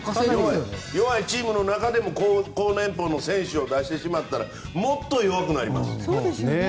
弱いチームの中でも高年俸の選手を出してしまったらもっと弱くなります。